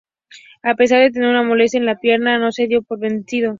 A pesar de tener una molesta en la pierna, no se dio por vencido.